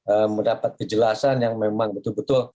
ee mendapat kejelasan yang memang betul betul